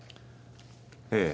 ええ。